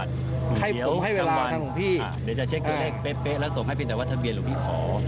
เตะและส่งให้พินักวัธทะเบียนลงพี่ขอ